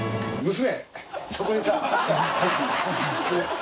娘！